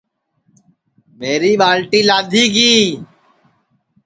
میری ٻالٹی لادھی گی